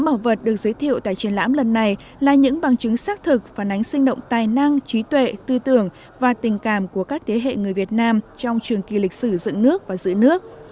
năm mẫu vật được giới thiệu tại triển lãm lần này là những bằng chứng xác thực phản ánh sinh động tài năng trí tuệ tư tưởng và tình cảm của các thế hệ người việt nam trong trường kỳ lịch sử dựng nước và giữ nước